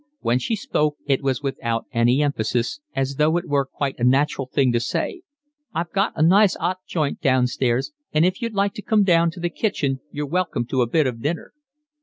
When she spoke it was without any emphasis, as though it were quite a natural thing to say. "I've got a nice 'ot joint downstairs, and if you like to come down to the kitchen you're welcome to a bit of dinner."